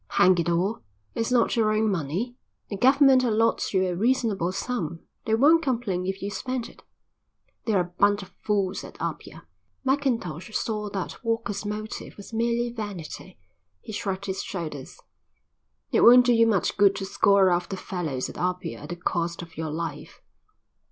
"Hang it all, it's not your own money. The government allots you a reasonable sum. They won't complain if you spend it." "They're a bunch of fools at Apia." Mackintosh saw that Walker's motive was merely vanity. He shrugged his shoulders. "It won't do you much good to score off the fellows at Apia at the cost of your life."